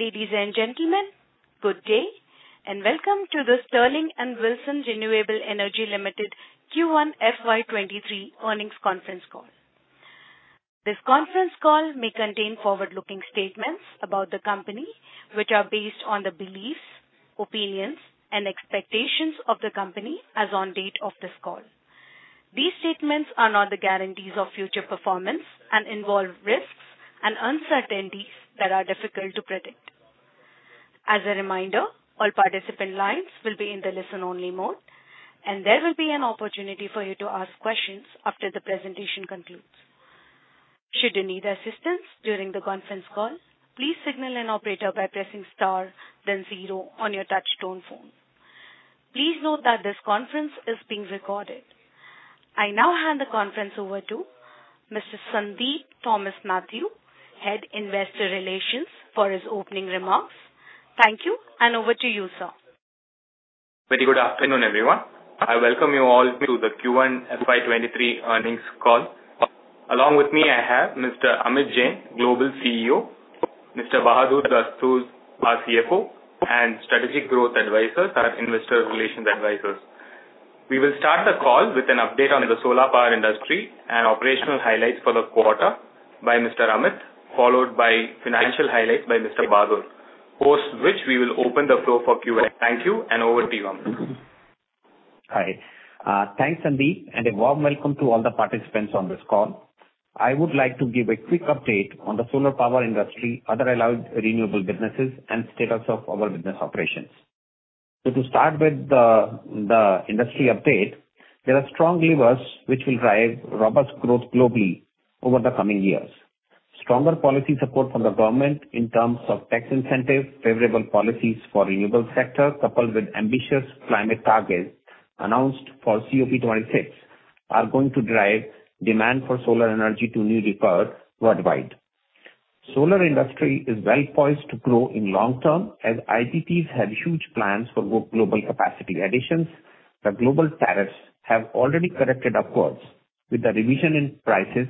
Ladies and gentlemen, good day, and welcome to the Sterling and Wilson Renewable Energy Limited Q1 FY23 earnings conference call. This conference call may contain forward-looking statements about the company which are based on the beliefs, opinions and expectations of the company as on date of this call. These statements are not the guarantees of future performance and involve risks and uncertainties that are difficult to predict. As a reminder, all participant lines will be in the listen-only mode, and there will be an opportunity for you to ask questions after the presentation concludes. Should you need assistance during the conference call, please signal an operator by pressing star then zero on your touch tone phone. Please note that this conference is being recorded. I now hand the conference over to Mr. Sandeep Thomas Mathew, Head Investor Relations, for his opening remarks. Thank you, and over to you, sir. Very good afternoon, everyone. I welcome you all to the Q1 FY23 earnings call. Along with me, I have Mr. Amit Jain, Global CEO, Mr. Bahadur Dastoor, our CFO, and Strategic Growth Advisors, our investor relations advisors. We will start the call with an update on the solar power industry and operational highlights for the quarter by Mr. Amit, followed by financial highlights by Mr. Bahadur. Post which, we will open the floor for Q&A. Thank you, and over to you, Amit. Hi. Thanks, Sandeep, and a warm welcome to all the participants on this call. I would like to give a quick update on the solar power industry, other allied renewable businesses, and status of our business operations. To start with the industry update, there are strong levers which will drive robust growth globally over the coming years. Stronger policy support from the government in terms of tax incentive, favorable policies for renewable sector, coupled with ambitious climate targets announced for COP26, are going to drive demand for solar energy to new records worldwide. Solar industry is well poised to grow in long term, as IPPs have huge plans for both global capacity additions. The global tariffs have already corrected upwards with the revision in prices,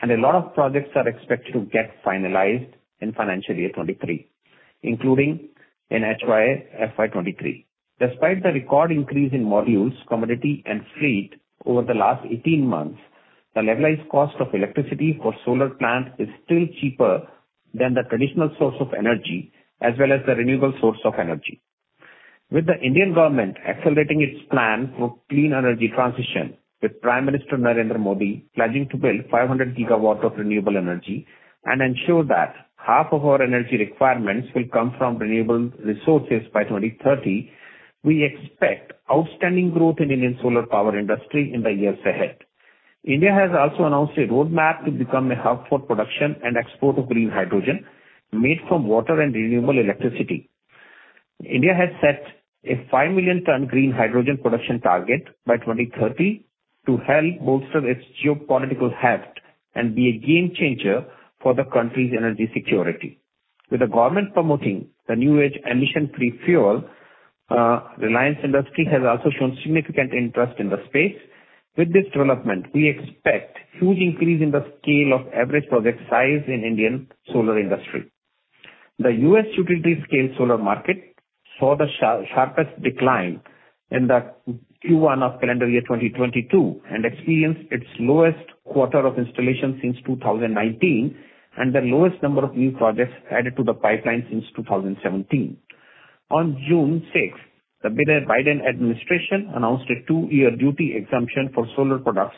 and a lot of projects are expected to get finalized in FY23, including in FY23. Despite the record increase in modules, commodity and freight over the last 18 months, the Levelized Cost of Electricity for solar plants is still cheaper than the traditional source of energy as well as the renewable source of energy. With the Indian government accelerating its plan for clean energy transition, with Prime Minister Narendra Modi pledging to build 500 gigawatts of renewable energy and ensure that half of our energy requirements will come from renewable resources by 2030, we expect outstanding growth in Indian solar power industry in the years ahead. India has also announced a roadmap to become a hub for production and export of green hydrogen made from water and renewable electricity. India has set a 5 million ton green hydrogen production target by 2030 to help bolster its geopolitical heft and be a game changer for the country's energy security. With the government promoting the new age emission-free fuel, Reliance Industries has also shown significant interest in the space. With this development, we expect huge increase in the scale of average project size in Indian solar industry. The U.S. utility-scale solar market saw the sharpest decline in the Q1 of calendar year 2022, and experienced its lowest quarter of installation since 2019, and the lowest number of new projects added to the pipeline since 2017. On June 6, the Biden administration announced a 2-year duty exemption for solar products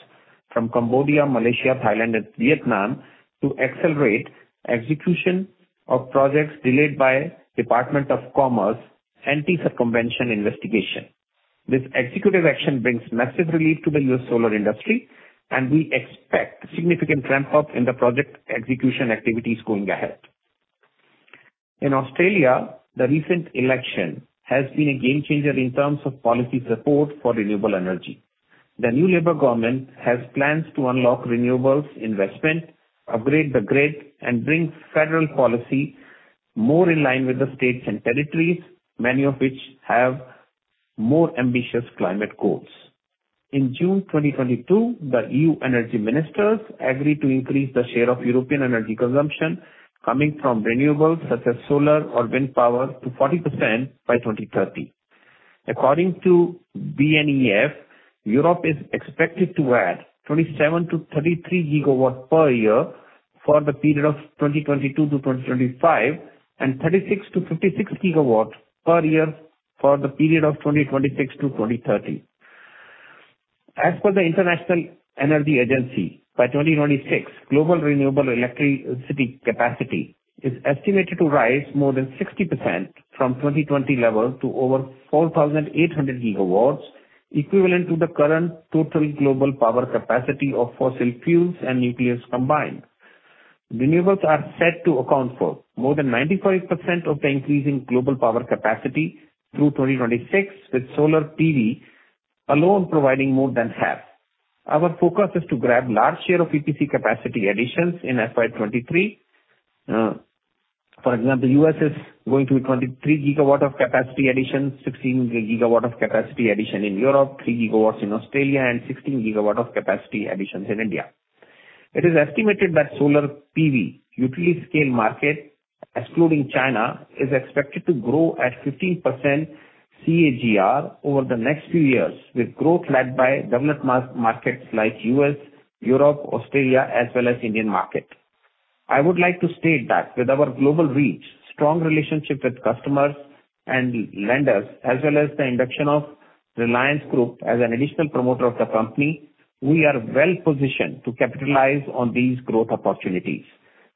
from Cambodia, Malaysia, Thailand and Vietnam to accelerate execution of projects delayed by U.S. Department of Commerce anti-circumvention investigation. This executive action brings massive relief to the U.S. solar industry, and we expect significant ramp up in the project execution activities going ahead. In Australia, the recent election has been a game changer in terms of policy support for renewable energy. The new Labor government has plans to unlock renewables investment, upgrade the grid, and bring federal policy more in line with the states and territories, many of which have more ambitious climate goals. In June 2022, the EU energy ministers agreed to increase the share of European energy consumption coming from renewables such as solar or wind power to 40% by 2030. According to BloombergNEF, Europe is expected to add 27-33 gigawatts per year for the period of 2022-2025, and 36-56 gigawatts per year for the period of 2026-2030. As per the International Energy Agency, by 2026, global renewable electricity capacity is estimated to rise more than 60% from 2020 levels to over 4,800 gigawatts, equivalent to the current total global power capacity of fossil fuels and nuclear combined. Renewables are set to account for more than 95% of the increase in global power capacity through 2026, with solar PV alone providing more than half. Our focus is to grab large share of EPC capacity additions in FY 2023. For example, U.S. is going to be 23 gigawatts of capacity addition, 16 gigawatts of capacity addition in Europe, 3 gigawatts in Australia, and 16 gigawatts of capacity additions in India. It is estimated that solar PV utility scale market, excluding China, is expected to grow at 15% CAGR over the next few years, with growth led by developed markets like U.S., Europe, Australia as well as Indian market. I would like to state that with our global reach, strong relationship with customers and lenders, as well as the induction of Reliance Group as an additional promoter of the company, we are well positioned to capitalize on these growth opportunities.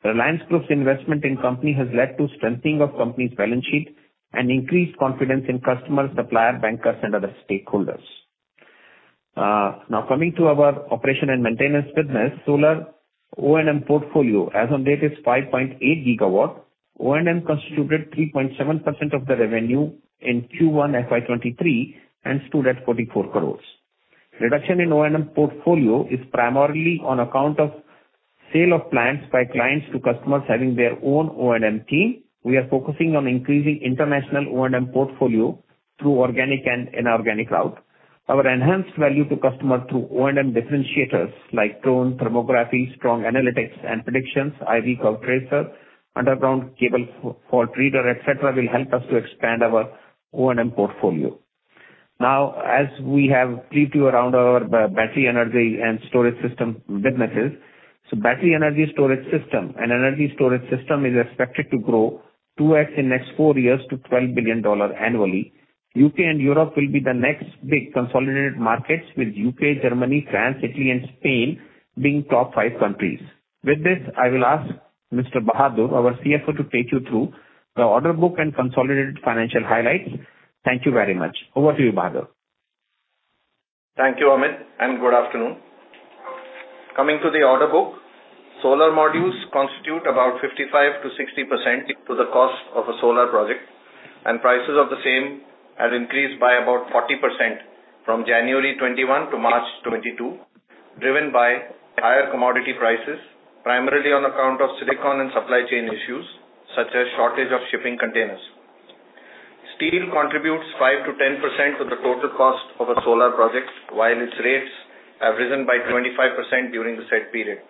Reliance Group's investment in company has led to strengthening of company's balance sheet and increased confidence in customers, suppliers, bankers and other stakeholders. Now coming to our operation and maintenance business. Solar O&M portfolio as on date is 5.8 GW. O&M constituted 3.7% of the revenue in Q1 FY23 and stood at 44 crore. Reduction in O&M portfolio is primarily on account of sale of plants by clients to customers having their own O&M team. We are focusing on increasing international O&M portfolio through organic and inorganic route. Our enhanced value to customer through O&M differentiators like drone thermography, strong analytics and predictions, IV curve tracer, underground cable fault reader, etc., will help us to expand our O&M portfolio. Now as we have briefed you around our battery energy and storage system businesses. Battery energy storage system and energy storage system is expected to grow 2x in next four years to $12 billion annually. UK and Europe will be the next big consolidated markets with UK, Germany, France, Italy and Spain being top five countries. With this, I will ask Mr. Bahadur Dastoor, our CFO, to take you through the order book and consolidated financial highlights. Thank you very much. Over to you, Bahadur Dastoor. Thank you, Amit, and good afternoon. Coming to the order book. Solar modules constitute about 55%-60% of the cost of a solar project, and prices of the same have increased by about 40% from January 2021 to March 2022, driven by higher commodity prices, primarily on account of silicon and supply chain issues such as shortage of shipping containers. Steel contributes 5%-10% of the total cost of a solar project, while its rates have risen by 25% during the said period.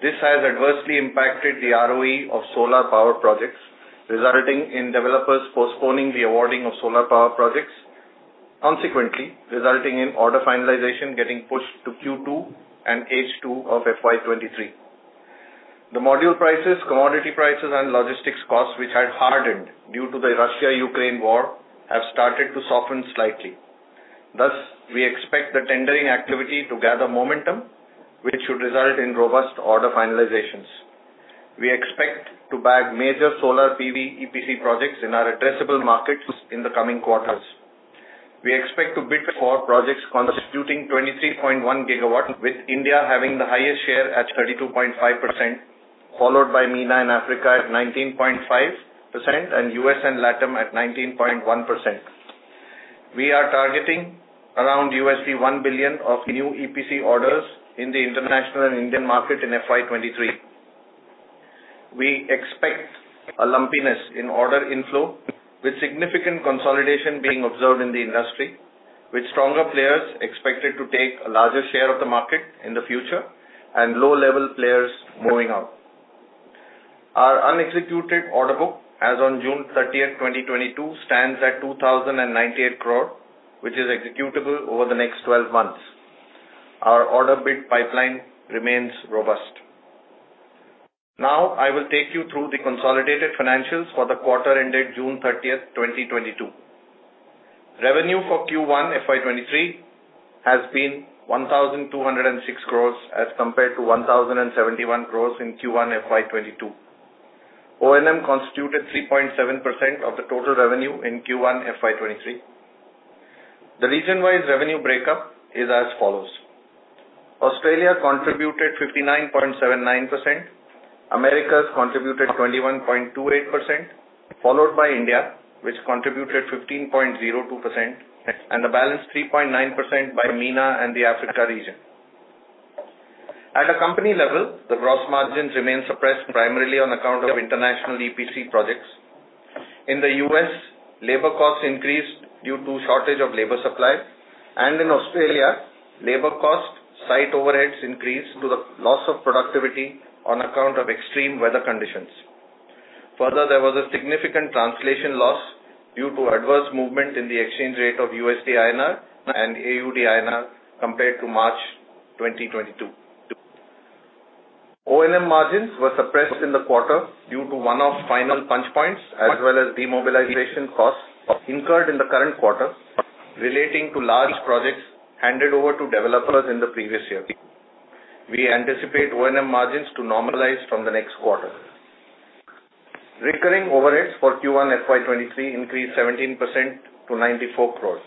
This has adversely impacted the ROE of solar power projects, resulting in developers postponing the awarding of solar power projects, consequently resulting in order finalization getting pushed to Q2 and H2 of FY23. The module prices, commodity prices and logistics costs which had hardened due to the Russia-Ukraine war, have started to soften slightly. Thus, we expect the tendering activity to gather momentum, which should result in robust order finalizations. We expect to bag major solar PV EPC projects in our addressable markets in the coming quarters. We expect to bid for projects constituting 23.1 gigawatt, with India having the highest share at 32.5%, followed by MENA and Africa at 19.5% and U.S. and LATAM at 19.1%. We are targeting around $1 billion of new EPC orders in the international and Indian market in FY23. We expect a lumpiness in order inflow, with significant consolidation being observed in the industry, with stronger players expected to take a larger share of the market in the future and low-level players moving out. Our unexecuted order book as on June 30, 2022, stands at 2,098 crore, which is executable over the next twelve months. Our order bid pipeline remains robust. Now I will take you through the consolidated financials for the quarter ended June 30, 2022. Revenue for Q1 FY23 has been 1,206 crores as compared to 1,071 crores in Q1 FY22. O&M constituted 3.7% of the total revenue in Q1 FY23. The region-wise revenue breakup is as follows. Australia contributed 59.79%, Americas contributed 21.28%, followed by India, which contributed 15.02%, and the balance 3.9% by MENA and the Africa region. At a company level, the gross margins remain suppressed primarily on account of international EPC projects. In the U.S., labor costs increased due to shortage of labor supply, and in Australia, labor cost site overheads increased due to the loss of productivity on account of extreme weather conditions. Further, there was a significant translation loss due to adverse movement in the exchange rate of USD/INR and AUD/INR compared to March 2022. O&M margins were suppressed in the quarter due to one-off final punch points as well as demobilization costs incurred in the current quarter relating to large projects handed over to developers in the previous year. We anticipate O&M margins to normalize from the next quarter. Recurring overheads for Q1 FY23 increased 17% to 94 crore.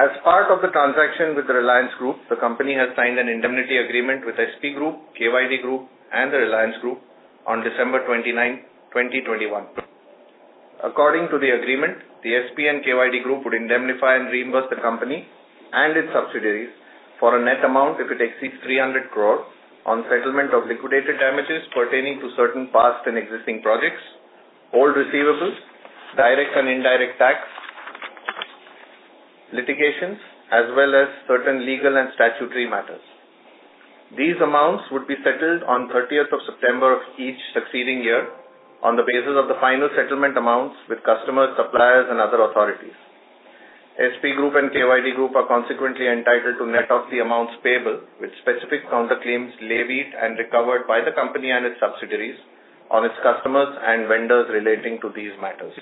As part of the transaction with the Reliance Group, the company has signed an indemnity agreement with the Shapoorji Pallonji Group, Khurshed Yazdi Daruvala Group and the Reliance Group on December 29, 2021. According to the agreement, the Shapoorji Pallonji and Khurshed Yazdi Daruvala Group would indemnify and reimburse the company and its subsidiaries for a net amount if it exceeds 300 crore on settlement of liquidated damages pertaining to certain past and existing projects, old receivables, direct and indirect tax litigations as well as certain legal and statutory matters. These amounts would be settled on 30th of September of each succeeding year on the basis of the final settlement amounts with customers, suppliers, and other authorities. Shapoorji Pallonji Group and Khurshed Yazdi Daruvala Group are consequently entitled to net off the amounts payable with specific counter claims levied and recovered by the company and its subsidiaries on its customers and vendors relating to these matters.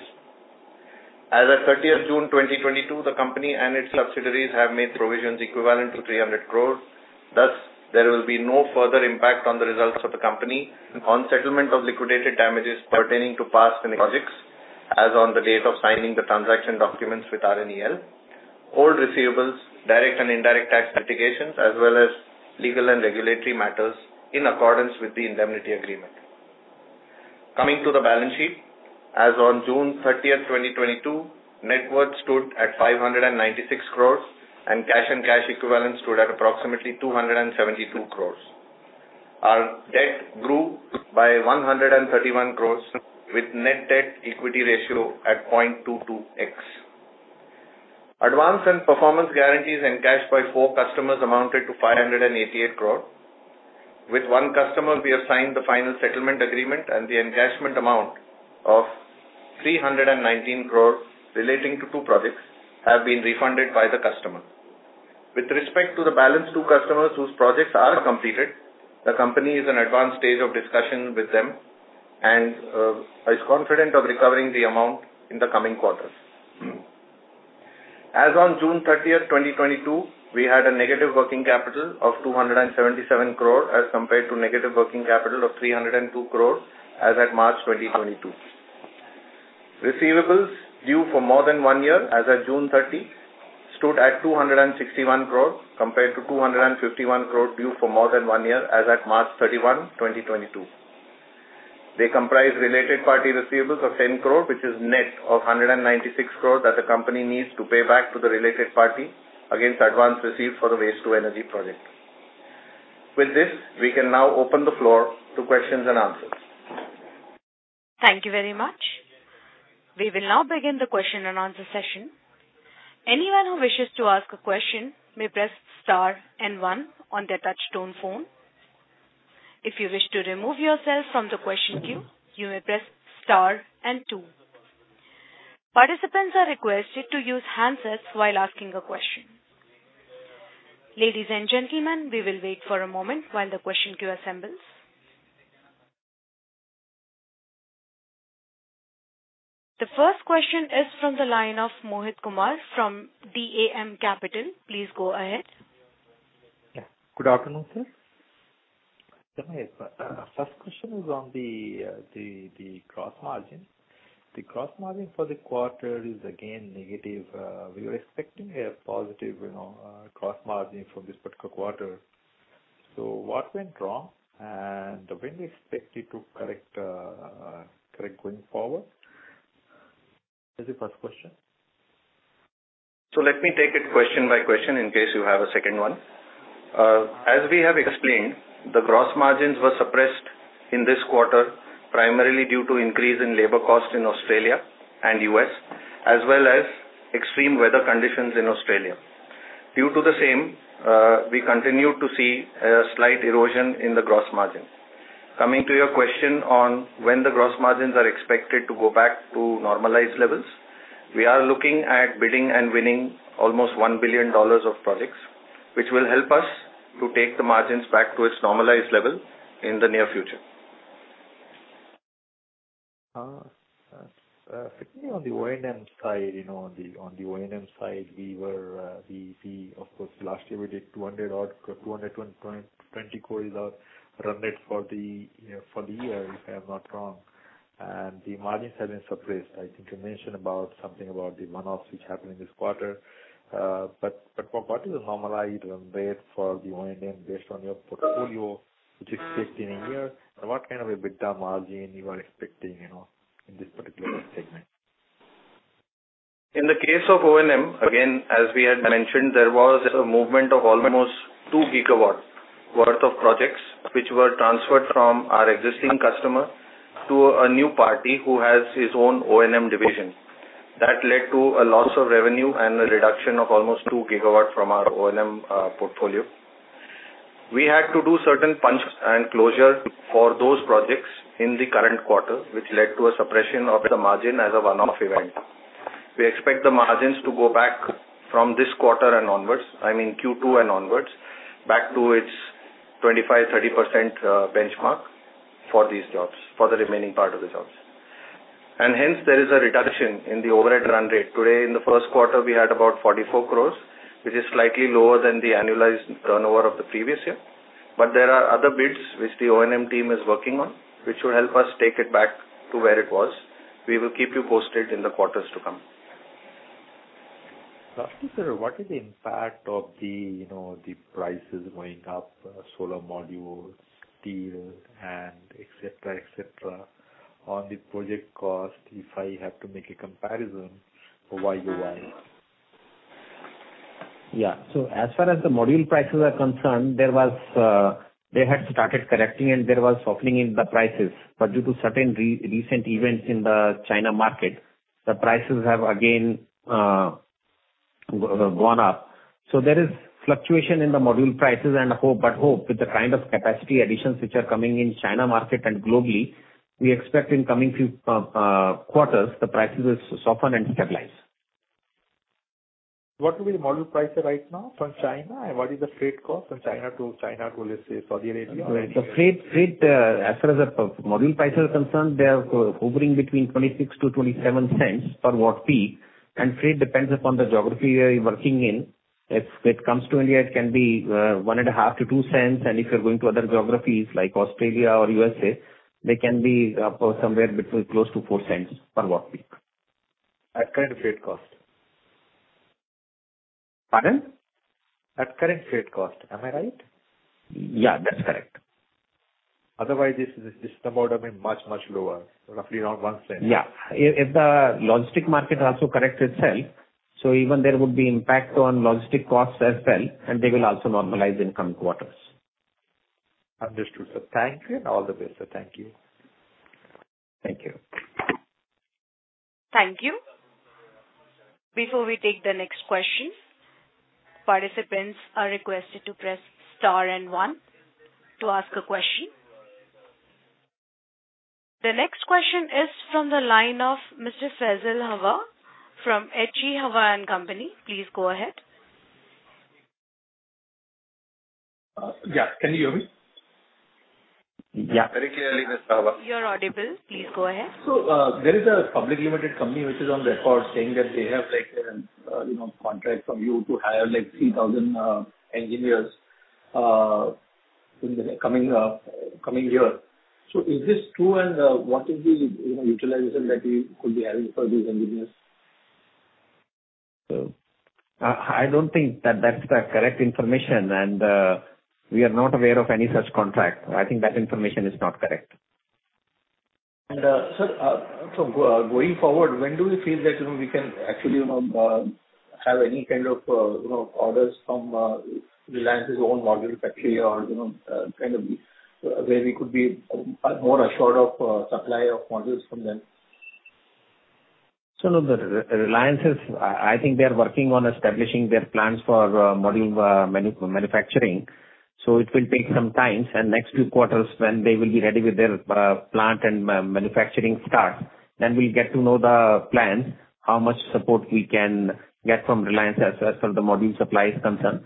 As of 30th June 2022, the company and its subsidiaries have made provisions equivalent to 300 crore. Thus, there will be no further impact on the results of the company on settlement of liquidated damages pertaining to past projects as on the date of signing the transaction documents with RNEL, old receivables, direct and indirect tax litigations, as well as legal and regulatory matters in accordance with the indemnity agreement. Coming to the balance sheet. As on June 30, 2022, net worth stood at 596 crore and cash and cash equivalents stood at approximately 272 crore. Our debt grew by 131 crore with net debt equity ratio at 0.22x. Advance and performance guarantees encashed by four customers amounted to 588 crore. With one customer, we have signed the final settlement agreement, and the encashment amount of 319 crore relating to two projects have been refunded by the customer. With respect to the balance two customers whose projects are completed, the company is in advanced stage of discussion with them and is confident of recovering the amount in the coming quarters. As on June 30, 2022, we had a negative working capital of 277 crore as compared to negative working capital of 302 crore as at March 2022. Receivables due for more than one year as at June 30 stood at 261 crore compared to 251 crore due for more than one year as at March 31, 2022. They comprise related party receivables of 10 crore, which is net of 196 crore that the company needs to pay back to the related party against advance received for the waste to energy project. With this, we can now open the floor to questions and answers. Thank you very much. We will now begin the question and answer session. Anyone who wishes to ask a question may press star and one on their touchtone phone. If you wish to remove yourself from the question queue, you may press star and two. Participants are requested to use handsets while asking a question. Ladies and gentlemen, we will wait for a moment while the question queue assembles. The first question is from the line of Mohit Kumar from DAM Capital. Please go ahead. Yeah. Good afternoon, sir. Mohit, first question is on the gross margin. The gross margin for the quarter is again negative. We were expecting a positive, you know, gross margin for this particular quarter. What went wrong, and when we expect it to correct going forward? This is the first question. Let me take it question by question in case you have a second one. As we have explained, the gross margins were suppressed in this quarter, primarily due to increase in labor costs in Australia and U.S., as well as extreme weather conditions in Australia. Due to the same, we continue to see a slight erosion in the gross margin. Coming to your question on when the gross margins are expected to go back to normalized levels, we are looking at bidding and winning almost $1 billion of projects, which will help us to take the margins back to its normalized level in the near future. Certainly on the O&M side, you know, on the O&M side, we were, we of course, last year we did 200 or 220 crore run rate for the year, if I am not wrong. The margins have been suppressed. I think you mentioned about something about the one-offs which happened in this quarter. But what is the normalized run rate for the O&M based on your portfolio, which you expect in a year? What kind of EBITDA margin you are expecting, you know, in this particular segment? In the case of O&M, again, as we had mentioned, there was a movement of almost 2 gigawatts worth of projects which were transferred from our existing customer to a new party who has his own O&M division. That led to a loss of revenue and a reduction of almost 2 gigawatts from our O&M portfolio. We had to do certain punch and closure for those projects in the current quarter, which led to a suppression of the margin as a one-off event. We expect the margins to go back from this quarter and onwards, I mean, Q2 and onwards, back to its 25%-30% benchmark for these jobs, for the remaining part of the jobs. Hence there is a reduction in the overhead run rate. Today in the first quarter, we had about 44 crores, which is slightly lower than the annualized turnover of the previous year. There are other bids which the O&M team is working on, which will help us take it back to where it was. We will keep you posted in the quarters to come. Lastly, sir, what is the impact of the, you know, the prices going up, solar modules, steel and et cetera, on the project cost, if I have to make a comparison for YOY? As far as the module prices are concerned, there was they had started correcting, and there was softening in the prices. Due to certain recent events in the China market, the prices have again gone up. There is fluctuation in the module prices and hope, but hope with the kind of capacity additions which are coming in China market and globally, we expect in coming few quarters, the prices will soften and stabilize. What will be the module price right now from China, and what is the freight cost from China to, let's say, Saudi Arabia or India? The freight, as far as the module price is concerned, they are hovering between $0.26-$0.27 per watt peak, and freight depends upon the geography where you're working in. If it comes to India, it can be one and a half to two cents, and if you're going to other geographies like Australia or USA, they can be up or somewhere between close to four cents per watt peak. At current freight cost? Pardon? At current freight cost. Am I right? Yeah, that's correct. Otherwise, this amount would have been much, much lower, roughly around $0.01. Yeah. If the logistics market also corrects itself, even there would be impact on logistics costs as well, and they will also normalize in coming quarters. Understood, sir. Thank you. All the best, sir. Thank you. Thank you. Thank you. Before we take the next question, participants are requested to press star and one to ask a question. The next question is from the line of Mr. Faisal Hawa from H.G. Hawa & Co. Please go ahead. Yeah. Can you hear me? Yeah. Very clearly, Mr. Hawa. You're audible. Please go ahead. There is a public limited company which is on record saying that they have, like, you know, contract from you to hire, like, 3,000 engineers in the coming year. Is this true, and what is the, you know, utilization that we could be having for these engineers? I don't think that that's the correct information, and we are not aware of any such contract. I think that information is not correct. Sir, going forward, when do we feel that, you know, we can actually, you know, have any kind of, you know, orders from Reliance's own module factory or, you know, kind of where we could be more assured of supply of modules from them? Reliance is I think they're working on establishing their plans for module manufacturing, so it will take some time. Next few quarters when they will be ready with their plant and manufacturing start, then we'll get to know the plans, how much support we can get from Reliance as far as the module supply is concerned.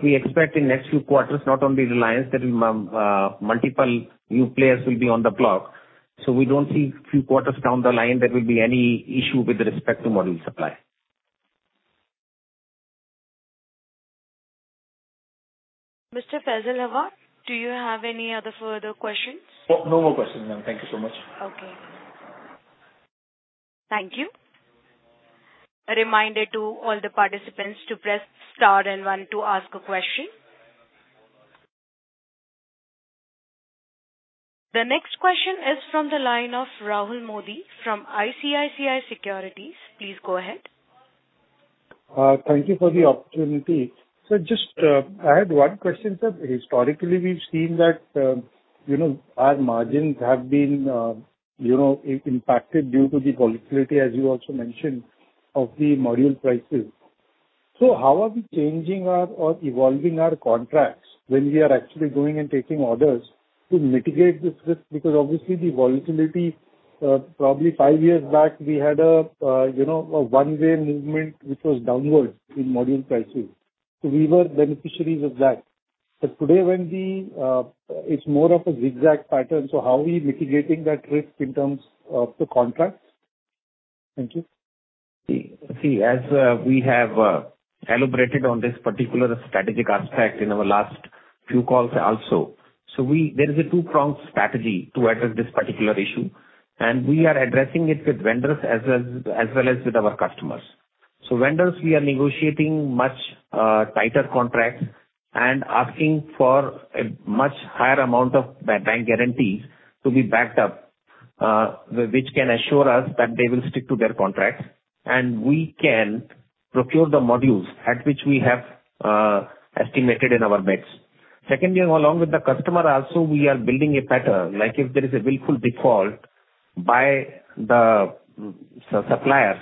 We expect in next few quarters, not only Reliance, there will be multiple new players on the block. We don't see few quarters down the line there will be any issue with respect to module supply. Mr. Faisal Hawa, do you have any other further questions? No, no more questions, ma'am. Thank you so much. Okay. Thank you. A reminder to all the participants to press star and one to ask a question. The next question is from the line of Rahul Mody from ICICI Securities. Please go ahead. Thank you for the opportunity. Just, I had one question, sir. Historically, we've seen that, you know, our margins have been, you know, impacted due to the volatility, as you also mentioned, of the module prices. How are we changing our or evolving our contracts when we are actually going and taking orders to mitigate this risk? Because obviously the volatility, probably five years back, we had a, you know, a one-way movement which was downward in module prices. We were beneficiaries of that. Today when we, it's more of a zigzag pattern, so how are we mitigating that risk in terms of the contracts? Thank you. As we have elaborated on this particular strategic aspect in our last few calls also. There is a two-pronged strategy to address this particular issue, and we are addressing it with vendors as well as with our customers. Vendors, we are negotiating much tighter contracts and asking for a much higher amount of bank guarantees to be backed up, which can assure us that they will stick to their contracts, and we can procure the modules at which we have estimated in our mix. Secondly, along with the customer also, we are building a pattern, like if there is a willful default by the suppliers.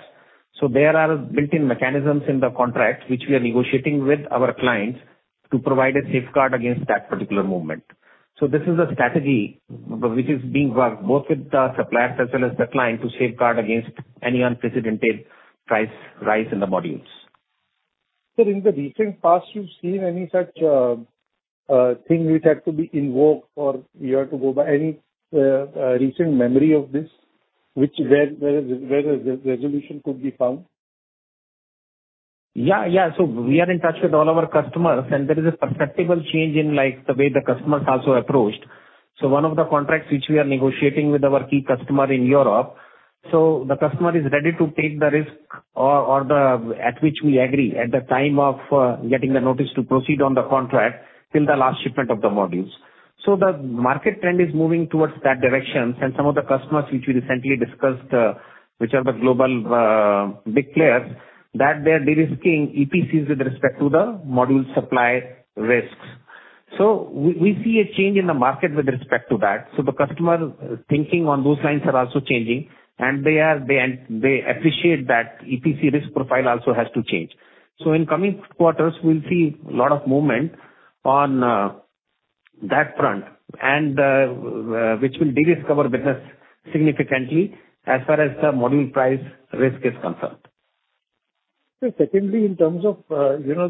There are built-in mechanisms in the contract which we are negotiating with our clients to provide a safeguard against that particular movement. This is a strategy which is being worked both with the suppliers as well as the client to safeguard against any unprecedented price rise in the modules. Sir, in the recent past, you've seen any such thing which had to be invoked or you had to go by any recent memory of this which where the resolution could be found? Yeah. Yeah. We are in touch with all our customers, and there is a perceptible change in, like, the way the customers also approached. One of the contracts which we are negotiating with our key customer in Europe, the customer is ready to take the risk at which we agree at the time of getting the notice to proceed on the contract till the last shipment of the modules. The market trend is moving towards that direction, and some of the customers which we recently discussed, which are the global big players, that they're de-risking EPCs with respect to the module supply risks. We see a change in the market with respect to that. The customer thinking on those lines are also changing, and they appreciate that EPC risk profile also has to change. In coming quarters, we'll see a lot of movement on that front and which will de-risk our business significantly as far as the module price risk is concerned. Sir, secondly, in terms of, you know,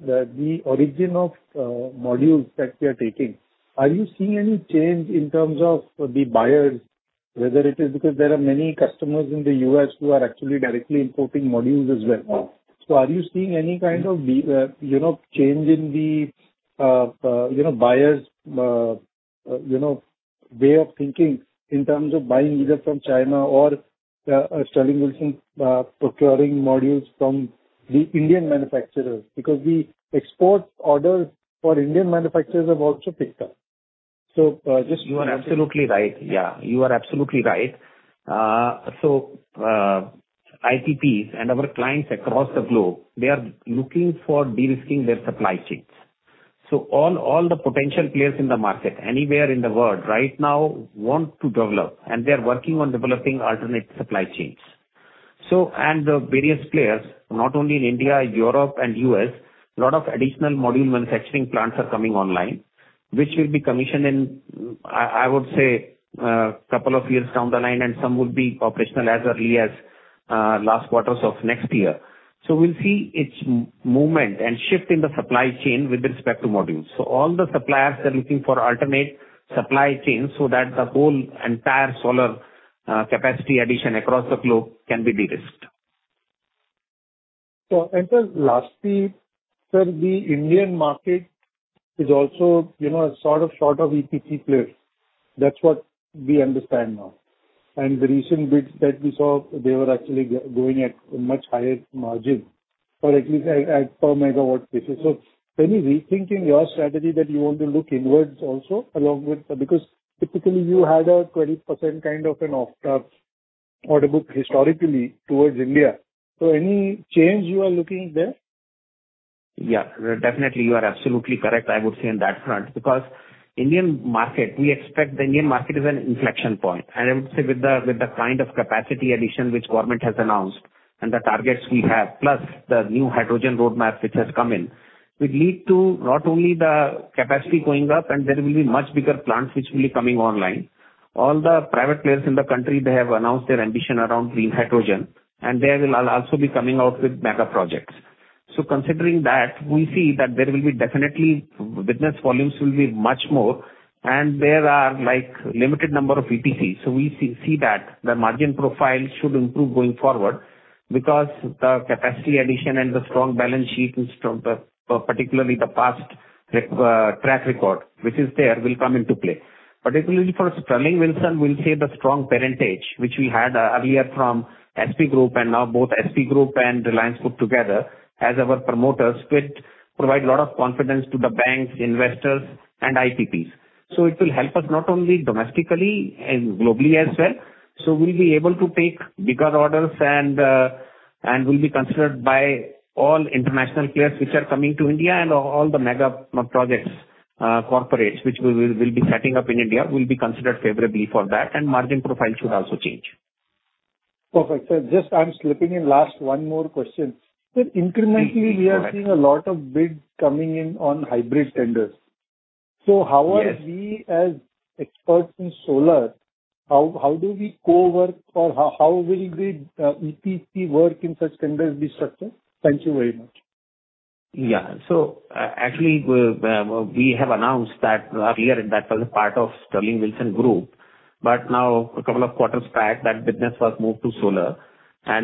the origin of modules that we are taking, are you seeing any change in terms of the buyers, whether it is because there are many customers in the U.S. who are actually directly importing modules as well? Are you seeing any kind of you know change in the you know buyers you know way of thinking in terms of buying either from China or Sterling and Wilson procuring modules from the Indian manufacturers? Because the export orders for Indian manufacturers have also picked up. Just- You are absolutely right. Yeah, you are absolutely right. IPPs and our clients across the globe, they are looking for de-risking their supply chains. All the potential players in the market, anywhere in the world right now want to develop, and they're working on developing alternate supply chains. The various players, not only in India, Europe and U.S., a lot of additional module manufacturing plants are coming online, which will be commissioned in, I would say, a couple of years down the line, and some will be operational as early as last quarters of next year. We'll see its movement and shift in the supply chain with respect to modules. All the suppliers are looking for alternate supply chains so that the whole entire solar capacity addition across the globe can be de-risked. Amit Jain, lastly, sir, the Indian market is also, you know, sort of short of EPC players. That's what we understand now. The recent bids that we saw, they were actually going at much higher margin or at least at per megawatt basis. Any rethinking your strategy that you want to look inwards also along with? Because typically you had a 20% kind of an off order book historically towards India. Any change you are looking there? Yeah, definitely. You are absolutely correct, I would say on that front. Indian market, we expect the Indian market is an inflection point. I would say with the kind of capacity addition which government has announced and the targets we have, plus the new hydrogen roadmap which has come in, will lead to not only the capacity going up and there will be much bigger plants which will be coming online. All the private players in the country, they have announced their ambition around green hydrogen, and they will also be coming out with mega projects. Considering that, we see that there will be definitely business volumes will be much more and there are, like, limited number of EPC. We see that the margin profile should improve going forward because the capacity addition and the strong balance sheet from the particularly the past recent track record which is there will come into play. Particularly for Sterling and Wilson, we'll say the strong parentage which we had earlier from SP Group and now both SP Group and Reliance put together as our promoters, which provide a lot of confidence to the banks, investors and IPPs. It will help us not only domestically and globally as well. We'll be able to take bigger orders and we'll be considered by all international players which are coming to India and all the mega projects, corporates, which we will be setting up in India, we'll be considered favorably for that, and margin profile should also change. Perfect. Just I'm slipping in last one more question. Please, go ahead. Sir, incrementally, we are seeing a lot of bids coming in on hybrid tenders. Yes. How are we as experts in solar, how do we co-work or how will the EPC work in such tenders be structured? Thank you very much. Actually, we have announced that earlier that was part of Sterling and Wilson Group, but now a couple of quarters back, that business was moved to solar.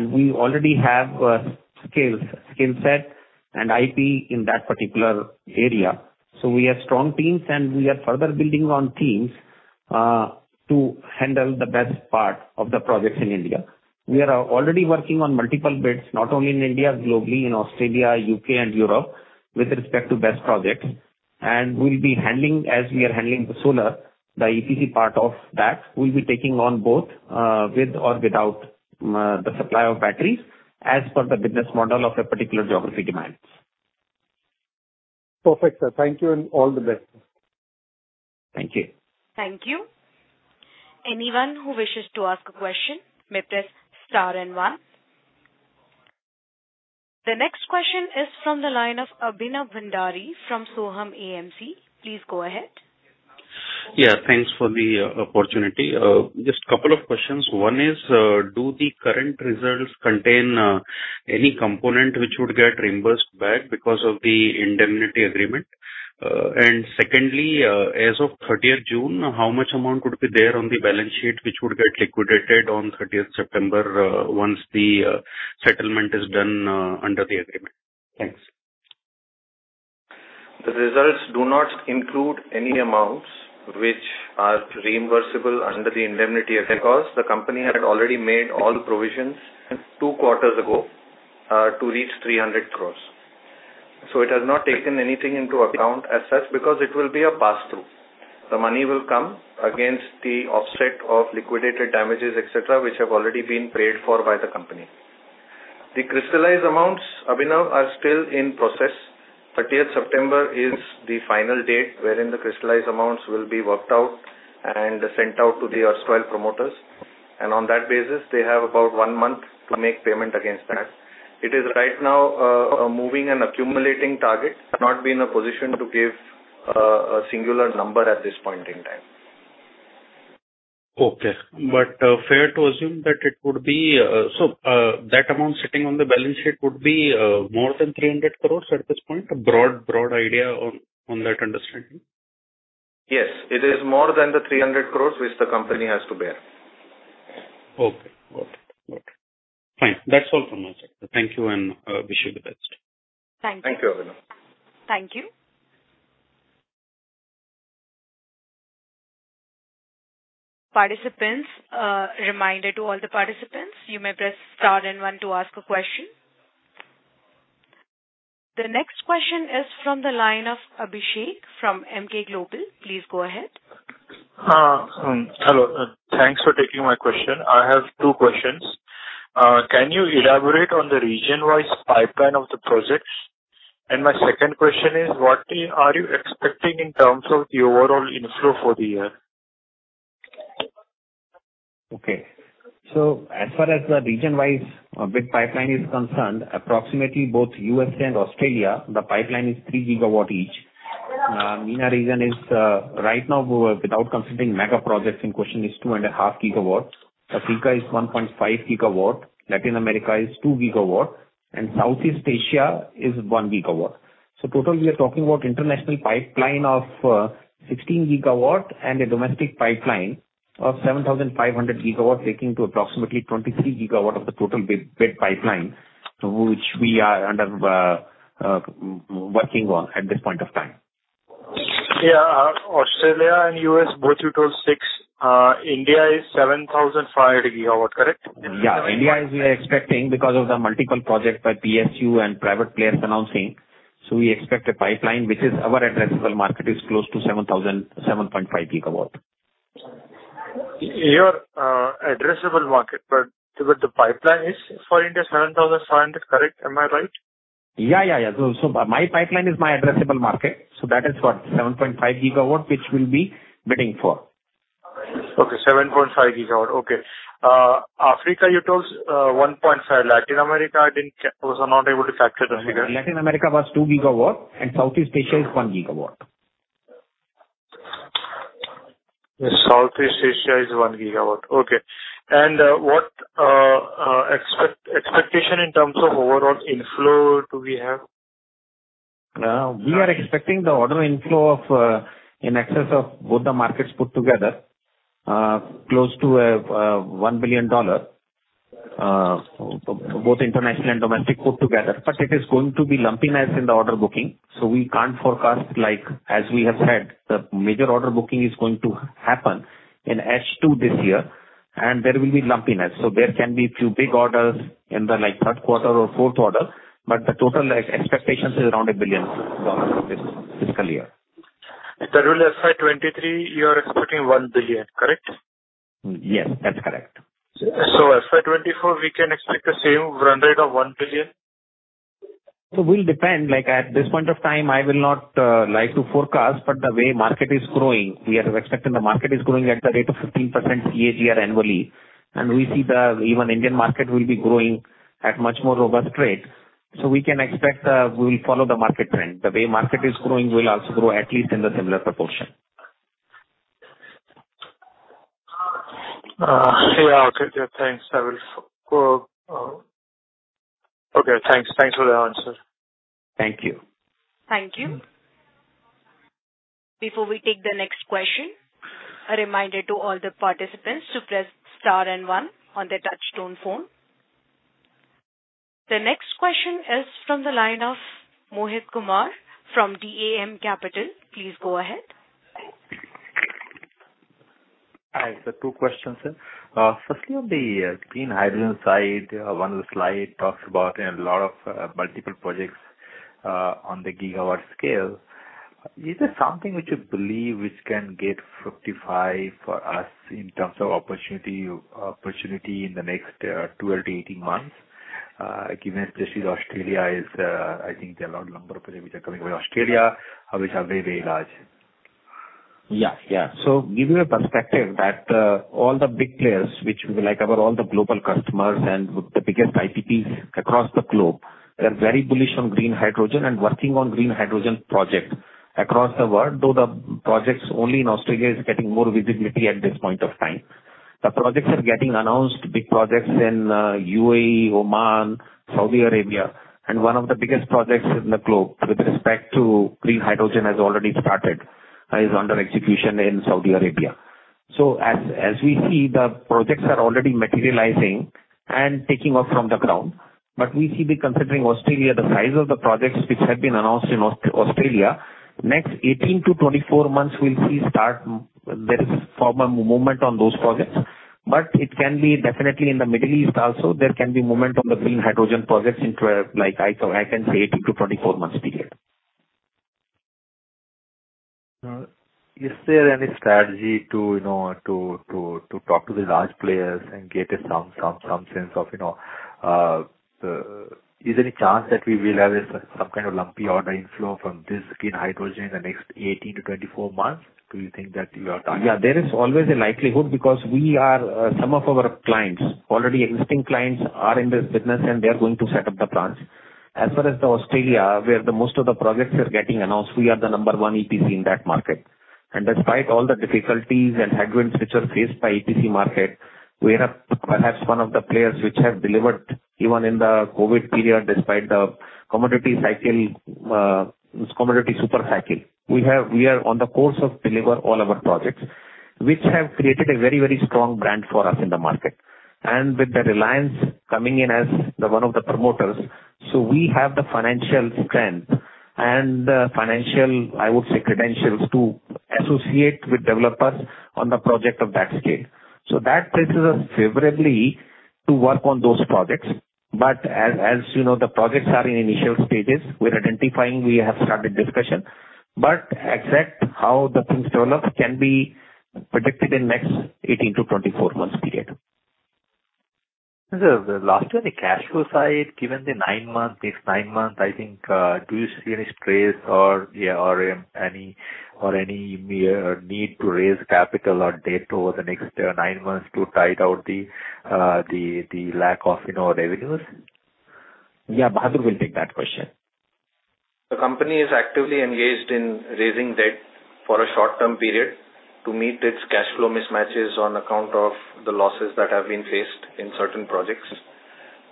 We already have skills, skill set and IP in that particular area. We have strong teams and we are further building on teams to handle the BESS part of the projects in India. We are already working on multiple bids, not only in India, globally in Australia, UK and Europe, with respect to BESS projects. We'll be handling, as we are handling the solar, the EPC part of that. We'll be taking on both, with or without, the supply of batteries as per the business model of a particular geography demands. Perfect, sir. Thank you and all the best. Thank you. Thank you. Anyone who wishes to ask a question may press star and one. The next question is from the line of Abhinav Bhandari from Sohum AMC. Please go ahead. Yeah, thanks for the opportunity. Just couple of questions. One is, do the current results contain any component which would get reimbursed back because of the indemnity agreement? Secondly, as of 30th June, how much amount would be there on the balance sheet which would get liquidated on 30th September, once the settlement is done under the agreement? Thanks. The results do not include any amounts which are reimbursable under the indemnity agreement because the company had already made all the provisions two quarters ago to reach 300 crores. So it has not taken anything into account as such because it will be a pass-through. The money will come against the offset of liquidated damages, et cetera, which have already been paid for by the company. The crystallized amounts, Abhinav, are still in process. Thirtieth September is the final date wherein the crystallized amounts will be worked out and sent out to the erstwhile promoters. On that basis, they have about one month to make payment against that. It is right now a moving and accumulating target. I've not been in a position to give a singular number at this point in time. Okay. Fair to assume that it would be that amount sitting on the balance sheet would be more than 300 crore at this point? A broad idea on that understanding. Yes. It is more than 300 crore which the company has to bear. Okay. Fine. That's all from my side. Thank you, and wish you the best. Thank you. Thank you, Abhinav. Thank you. Participants, reminder to all the participants, you may press star and one to ask a question. The next question is from the line of Abhishek from Emkay Global. Please go ahead. Hello. Thanks for taking my question. I have two questions. Can you elaborate on the region-wise pipeline of the projects? My second question is, what are you expecting in terms of the overall inflow for the year? Okay. As far as the region-wise bid pipeline is concerned, approximately both U.S. and Australia, the pipeline is 3 GW each. MENA region is right now without considering mega projects in question is 2.5 gigawatts. Africa is 1.5 gigawatt. Latin America is 2 gigawatt, and Southeast Asia is 1 gigawatt. Total we are talking about international pipeline of 16 gigawatt and a domestic pipeline of 7,500 gigawatt, making to approximately 23 gigawatt of the total bid pipeline, which we are working on at this point of time. Australia and U.S., both you told 6. India is 7,500 gigawatts, correct? Yeah. India is we are expecting because of the multiple projects by PSU and private players announcing, so we expect a pipeline which is our addressable market is close to 7.5 gigawatt. Your addressable market, but with the pipeline is for India 7,500, correct? Am I right? My pipeline is my addressable market, that is what? 7.5 GW, which we'll be bidding for. Okay. 7.5 gigawatt. Okay. Africa, you told, 1.5. Latin America, I was not able to capture the figure. Latin America was 2 GW and Southeast Asia is 1 GW. Southeast Asia is 1 gigawatt. Okay. What expectation in terms of overall inflow do we have? We are expecting the order inflow of in excess of both the markets put together close to $1 billion both international and domestic put together. It is going to be lumpiness in the order booking, so we can't forecast, like, as we have said, the major order booking is going to happen in H2 this year, and there will be lumpiness. There can be few big orders in the, like, third quarter or fourth quarter, but the total, like, expectations is around $1 billion this fiscal year. That will FY 2023, you are expecting $1 billion, correct? Yes, that's correct. FY24, we can expect the same run rate of $1 billion? Will depend. Like, at this point of time, I will not like to forecast, but the way market is growing, we are expecting the market is growing at the rate of 15% CAGR annually. We see the even Indian market will be growing at much more robust rate. We can expect, we will follow the market trend. The way market is growing, we'll also grow at least in the similar proportion. Yeah. Okay. Thanks. I will go. Okay. Thanks for the answer. Thank you. Thank you. Before we take the next question, a reminder to all the participants to press star and one on their touchtone phone. The next question is from the line of Mohit Kumar from DAM Capital. Please go ahead. Hi, sir. Two questions, sir. Firstly on the green hydrogen side, one of the slides talks about a lot of multiple projects on the gigawatt scale. Is there something which you believe which can get fructify for us in terms of opportunity in the next 12-18 months? Given especially Australia is, I think there are a lot, number of projects which are coming from Australia, which are very, very large. Give you a perspective that all the big players which we work with all the global customers and the biggest IPPs across the globe, they're very bullish on green hydrogen and working on green hydrogen project across the world, though the projects only in Australia is getting more visibility at this point of time. The projects are getting announced, big projects in UAE, Oman, Saudi Arabia, and one of the biggest projects in the globe with respect to green hydrogen has already started, is under execution in Saudi Arabia. As we see, the projects are already materializing and taking off from the ground. We see that, considering Australia, the size of the projects which have been announced in Australia, next 18-24 months we'll see start, there is proper movement on those projects. It can be definitely in the Middle East also. There can be movement on the green hydrogen projects into, like, I can say 18-24 months period. Is there any strategy to, you know, to talk to the large players and get some sense of, you know? Is there any chance that we will have some kind of lumpy order inflow from this green hydrogen in the next 18-24 months? Do you think that you are targeting? Yeah, there is always a likelihood because we are, some of our clients, already existing clients are in this business, and they are going to set up the plants. As far as Australia, where most of the projects are getting announced, we are the number one EPC in that market. Despite all the difficulties and headwinds which are faced by EPC market, we are perhaps one of the players which have delivered even in the COVID period, despite the commodity cycle, this commodity super cycle. We are on course to deliver all our projects, which have created a very, very strong brand for us in the market. With the Reliance coming in as one of the promoters, we have the financial strength and the financial, I would say, credentials to associate with developers on the project of that scale. That places us favorably to work on those projects. As you know, the projects are in initial stages. We're identifying, we have started discussion. Exactly how the things develop can be predicted in next 18-24 months period. Sir, the last one, the cash flow side, given the nine months, next nine months, I think, do you see any stress or, yeah, or any need to raise capital or debt over the next nine months to tide over the lack of, you know, revenues? Yeah. Bahadur Dastoor will take that question. The company is actively engaged in raising debt for a short-term period to meet its cash flow mismatches on account of the losses that have been faced in certain projects.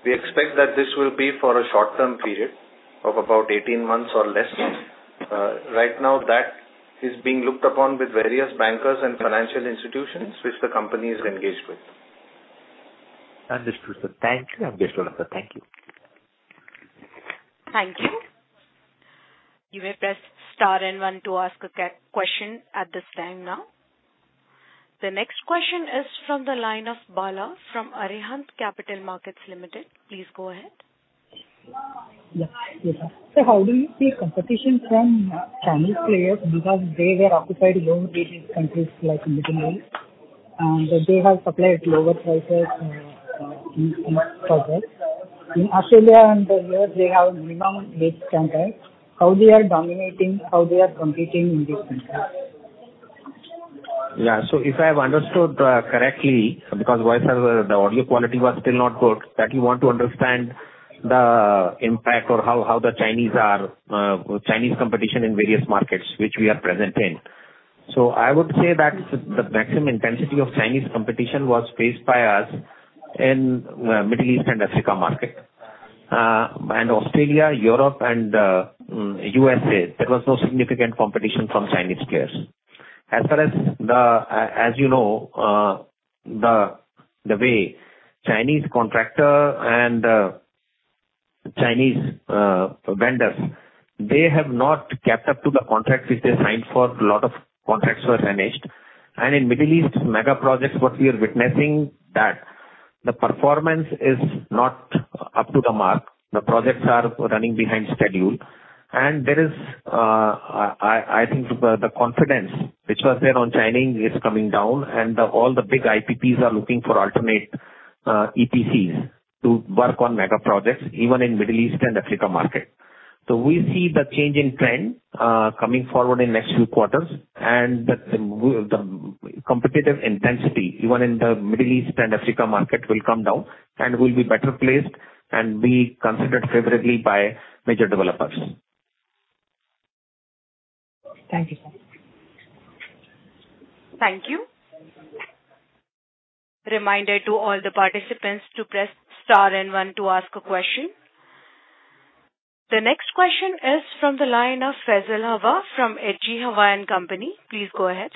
We expect that this will be for a short-term period of about 18 months or less. Right now that is being looked upon with various bankers and financial institutions which the company is engaged with. Understood, sir. Thank you. Abhi, thank you. Thank you. You may press star and one to ask a question at this time now. The next question is from the line of Bala from Arihant Capital Markets Limited. Please go ahead. Yes. Good morning. How do you see competition from Chinese players? Because they were occupied lower-rated countries like in Middle East, and they have supplied lower prices in some projects. In Australia and Europe they have minimum base contract. How they are dominating, how they are competing in these countries? If I have understood correctly, because the audio quality was still not good, that you want to understand the impact or how the Chinese competition in various markets which we are present in. I would say that the maximum intensity of Chinese competition was faced by us in Middle East and Africa market. Australia, Europe and USA, there was no significant competition from Chinese players. As far as the way Chinese contractors and Chinese vendors, they have not lived up to the contracts which they signed for. A lot of contracts were damaged. In Middle East mega projects, what we are witnessing that the performance is not up to the mark. The projects are running behind schedule. There is, I think the confidence which was there on China is coming down and all the big IPPs are looking for alternate EPCs to work on mega projects, even in Middle East and Africa market. We see the change in trend coming forward in next few quarters and the competitive intensity, even in the Middle East and Africa market will come down, and we'll be better placed and be considered favorably by major developers. Thank you, sir. Thank you. Reminder to all the participants to press star and one to ask a question. The next question is from the line of Faisal Hawa from H.G. Hawa & Co. Please go ahead.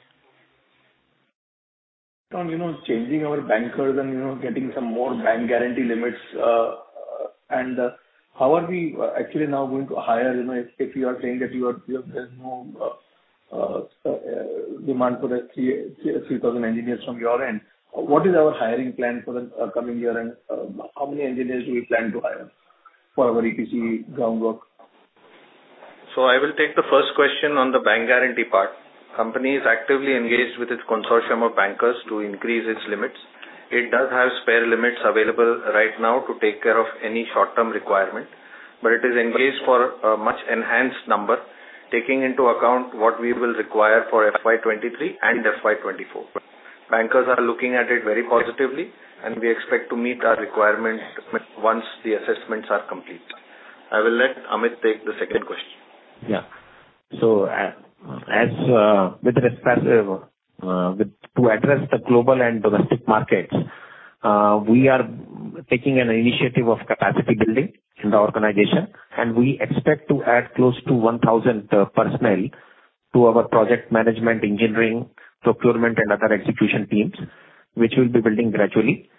You know, changing our bankers and, you know, getting some more bank guarantee limits, and how are we actually now going to hire? You know, if you are saying that you have, there's no demand for the 3,000 engineers from your end. What is our hiring plan for the coming year, and how many engineers do we plan to hire for our EPC groundwork? I will take the first question on the bank guarantee part. Company is actively engaged with its consortium of bankers to increase its limits. It does have spare limits available right now to take care of any short-term requirement, but it is engaged for a much enhanced number, taking into account what we will require for FY23 and FY24. Bankers are looking at it very positively, and we expect to meet our requirement once the assessments are complete. I will let Amit take the second question. To address the global and domestic markets, we are taking an initiative of capacity building in the organization, and we expect to add close to 1,000 personnel to our project management, engineering, procurement and other execution teams, which we'll be building gradually.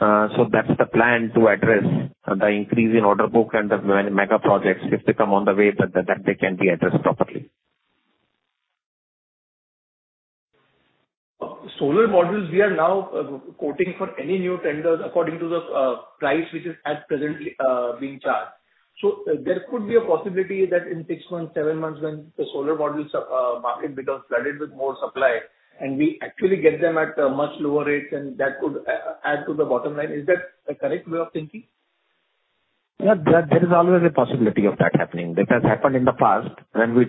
That's the plan to address the increase in order book and the mega projects, if they come our way that they can be addressed properly. Solar modules, we are now quoting for any new tenders according to the price which is as presently being charged. There could be a possibility that in six months, seven months, when the solar modules market becomes flooded with more supply and we actually get them at a much lower rate, and that could add to the bottom line. Is that the correct way of thinking? Yeah. There is always a possibility of that happening. That has happened in the past when we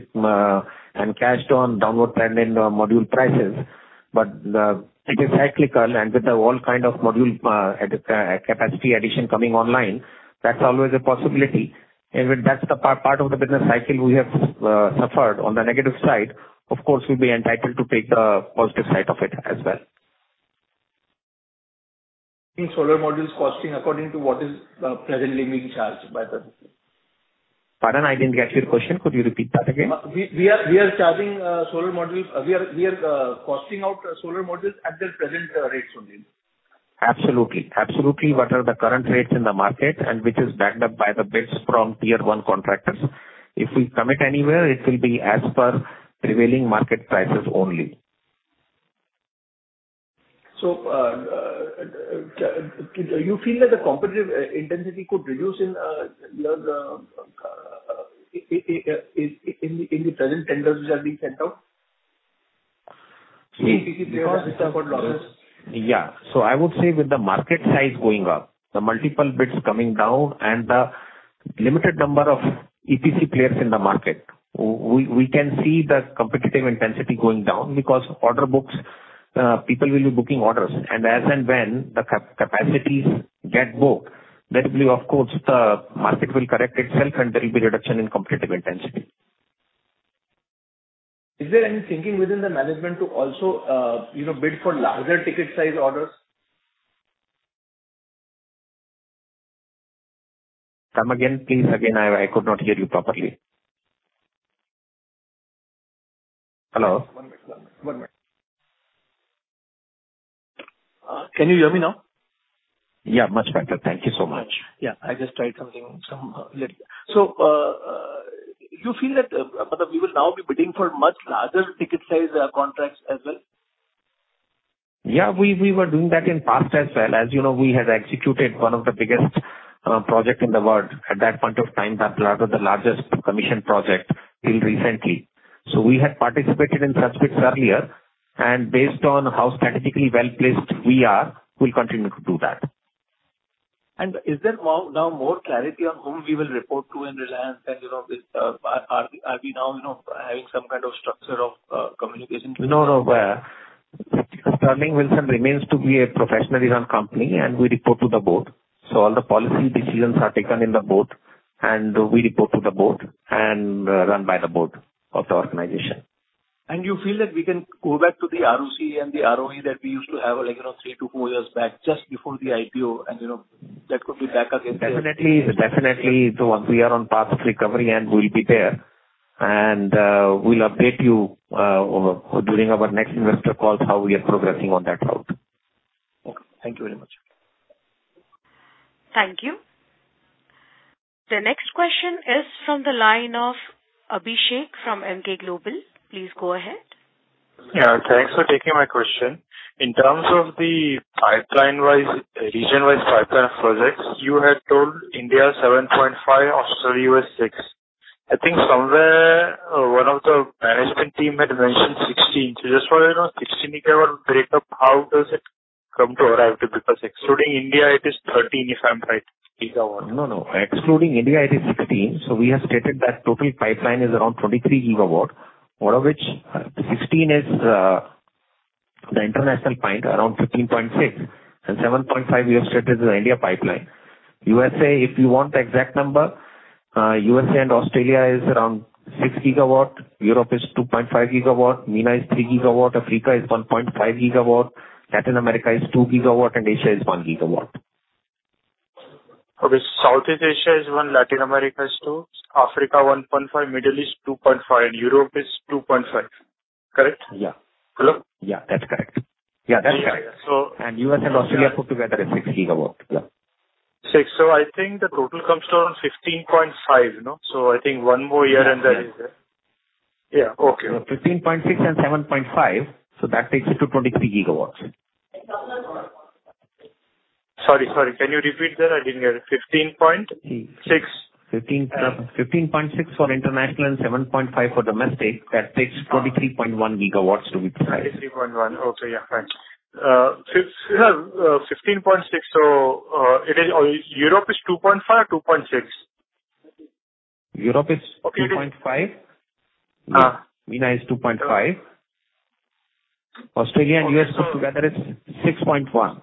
cashed in on downward trend in module prices. It is cyclical and with the whole kind of module capacity addition coming online, that's always a possibility. When that's the part of the business cycle we have suffered on the negative side, of course, we'll be entitled to take the positive side of it as well. In solar modules costing according to what is, presently being charged by the. Pardon? I didn't get your question. Could you repeat that again? We are costing out solar modules at their present rates only. Absolutely. What are the current rates in the market and which is backed up by the bids from tier one contractors? If we commit anywhere, it will be as per prevailing market prices only. Can you feel that the competitive intensity could reduce in your international tenders which are being sent out? See, because- EPC players have suffered losses. I would say with the market size going up, the multiple bids coming down and the limited number of EPC players in the market, we can see the competitive intensity going down because order books, people will be booking orders. As and when the capacities get booked, naturally of course, the market will correct itself and there will be reduction in competitive intensity. Is there any thinking within the management to also, you know, bid for larger ticket size orders? Come again, please. Again, I could not hear you properly. Hello? One minute. Can you hear me now? Yeah, much better. Thank you so much. Yeah, I just tried something. You feel that, but we will now be bidding for much larger ticket size contracts as well? Yeah, we were doing that in past as well. As you know, we had executed one of the biggest project in the world at that point of time. That's rather the largest commission project till recently. We had participated in such bids earlier, and based on how strategically well-placed we are, we'll continue to do that. Is there now more clarity on whom we will report to in Reliance? You know, with, are we now, you know, having some kind of structure of, communication to- No, no. Sterling Wilson remains to be a professionally run company, and we report to the board. All the policy decisions are taken in the board and we report to the board and run by the board of the organization. You feel that we can go back to the ROCE and the ROE that we used to have like, you know, three to four years back just before the IPO and, you know, that could be back again here? Definitely. We are on path of recovery, and we'll be there. We'll update you during our next investor call how we are progressing on that route. Okay. Thank you very much. Thank you. The next question is from the line of Abhishek from Emkay Global. Please go ahead. Yeah, thanks for taking my question. In terms of the pipeline-wise, region-wise pipeline of projects, you had told India 7.5, Australia was 6. I think somewhere one of the management team had mentioned 16. Just wanted to know 16 gigawatt break up, how does it come to arrive to? Because excluding India it is 13, if I'm right, gigawatt. No, no. Excluding India it is 16. We have stated that total pipeline is around 23 GW, out of which 16 is the international pipeline, around 15.6, and 7.5 we have stated is the India pipeline. USA, if you want the exact number, USA and Australia is around 6 GW. Europe is 2.5 GW. MENA is 3 GW. Africa is 1.5 GW. Latin America is 2 GW. Asia is 1 GW. Okay, Southeast Asia is 1, Latin America is 2, Africa 1.5, Middle East 2.5, and Europe is 2.5. Correct? Yeah. Hello? Yeah, that's correct. Yeah, that's correct. Yeah. U.S. and Australia put together is 6 gigawatt. Yeah. Six. I think the total comes to around 15.5, no? I think one more year and that is it. Yeah. Yeah. Okay. 15.6 and 7.5, so that takes it to 23 GW. Sorry. Can you repeat that? I didn't hear it. 15.6 for international and 7.5 for domestic. That takes 23.1 gigawatts to be precise. 23.1. Okay. Yeah, thanks. You have 15.6. It is. Europe is 2.5 or 2.6? Europe is 2.5. Uh- MENA is 2.5. Yeah. Australia and U.S. put together is 6.1, if you'd like exact number. Okay. Yeah. Yeah. Fine. Okay. Yeah. Thanks.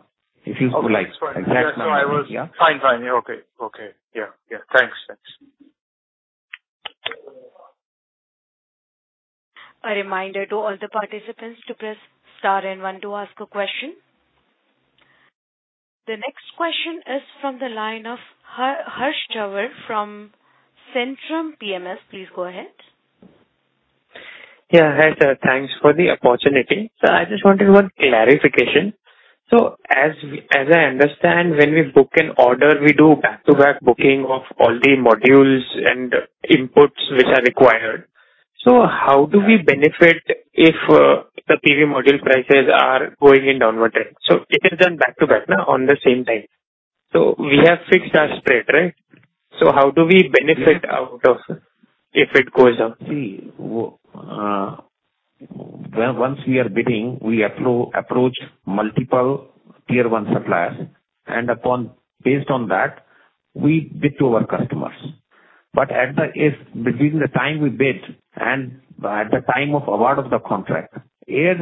A reminder to all the participants to press star and one to ask a question. The next question is from the line of Harsh Jhawar from Centrum PMS. Please go ahead. Yeah. Hi, sir. Thanks for the opportunity. I just wanted one clarification. As I understand, when we book an order, we do back-to-back booking of all the modules and inputs which are required. How do we benefit if the PV module prices are going in downward trend? It is done back-to-back now on the same time. We have fixed our spread, right? How do we benefit out of if it goes up? Once we are bidding, we approach multiple tier one suppliers and based on that, we bid to our customers. If between the time we bid and at the time of award of the contract, if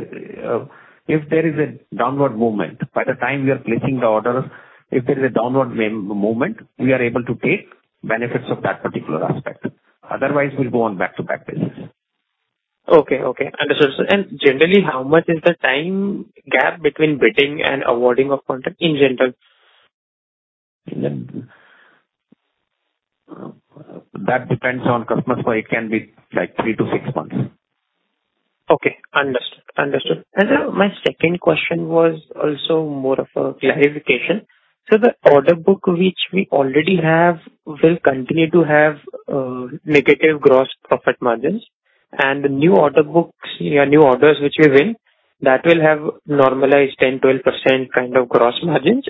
there is a downward movement, by the time we are placing the orders, if there is a downward movement, we are able to take benefits of that particular aspect. Otherwise, we'll go on back to back basis. Okay. Understood, sir. Generally, how much is the time gap between bidding and awarding of contract in general? That depends on customers, so it can be like 3-6 months. Okay, understood. My second question was also more of a clarification. The order book which we already have will continue to have negative gross profit margins and the new order books, yeah, new orders which we win, that will have normalized 10%-12% kind of gross margins.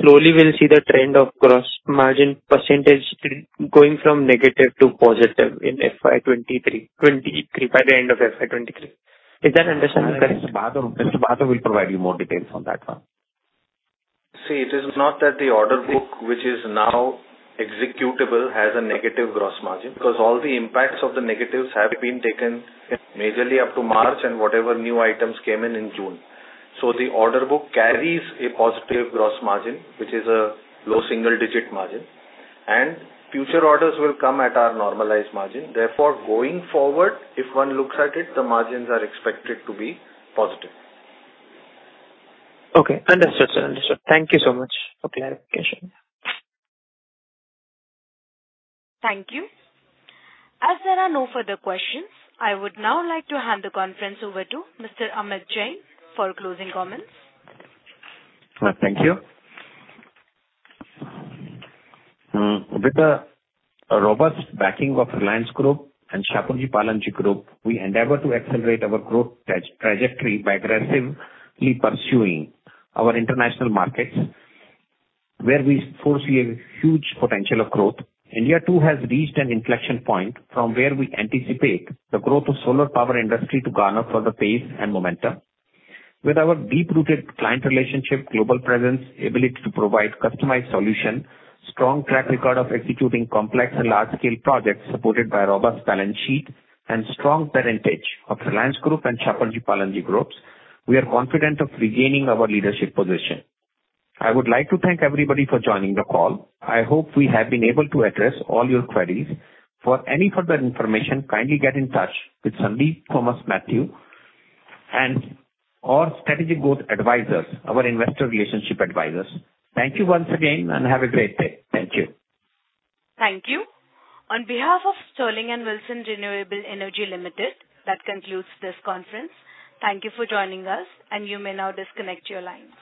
Slowly we'll see the trend of gross margin percentage going from negative to positive in FY 2023 by the end of FY 2023. Is that understanding correct? Bahadur Dastoor will provide you more details on that one. See, it is not that the order book which is now executable has a negative gross margin because all the impacts of the negatives have been taken majorly up to March and whatever new items came in in June. The order book carries a positive gross margin, which is a low single-digit margin. Future orders will come at our normalized margin. Therefore, going forward, if one looks at it, the margins are expected to be positive. Okay, understood, sir. Understood. Thank you so much for clarification. Thank you. As there are no further questions, I would now like to hand the conference over to Mr. Amit Jain for closing comments. Thank you. With the robust backing of Reliance Group and Shapoorji Pallonji Group, we endeavor to accelerate our growth trajectory by aggressively pursuing our international markets, where we foresee a huge potential of growth. India, too, has reached an inflection point from where we anticipate the growth of solar power industry to garner further pace and momentum. With our deep-rooted client relationship, global presence, ability to provide customized solution, strong track record of executing complex and large-scale projects supported by a robust balance sheet and strong parentage of Reliance Group and Shapoorji Pallonji Groups, we are confident of regaining our leadership position. I would like to thank everybody for joining the call. I hope we have been able to address all your queries. For any further information, kindly get in touch with Sandeep Thomas Mathew and our Strategic Growth Advisors, our investor relations advisors. Thank you once again and have a great day. Thank you. Thank you. On behalf of Sterling and Wilson Renewable Energy Limited, that concludes this conference. Thank you for joining us, and you may now disconnect your lines.